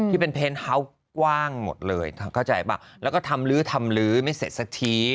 ที่เป็นเพนเฮาส์กว้างหมดเลยเข้าใจป่ะแล้วก็ทำลื้อทำลื้อไม่เสร็จสักที